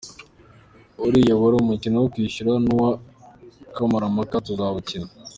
Uriya wari umukino wo kwishyura n’uwa kamarampaka tuzawukina.